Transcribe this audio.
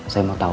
saya mau tahu